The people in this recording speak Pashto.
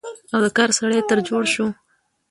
او د کار سړى تر جوړ شو،